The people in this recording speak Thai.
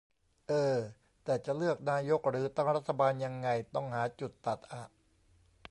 เออ แต่จะเลือกนายกหรือตั้งรัฐบาลยังไง ต้องหาจุดตัดอะ